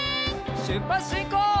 しゅっぱつしんこう！